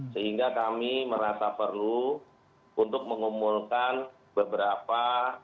sehingga kami merasa perlu untuk mengumumkan beberapa